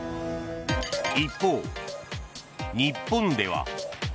一方、日本では。